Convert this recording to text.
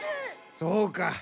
そうか。